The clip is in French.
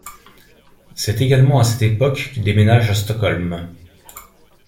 C'est également à cette époque qu'il déménage à Stockholm.